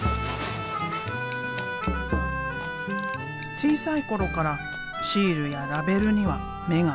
小さい頃からシールやラベルには目がなかった。